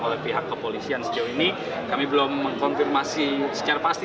oleh pihak kepolisian sejauh ini kami belum mengkonfirmasi secara pasti